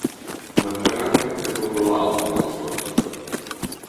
Ma c'era anche un secondo lato nella sua vita.